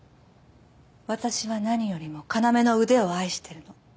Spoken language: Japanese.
私は何よりも要の腕を愛してるの。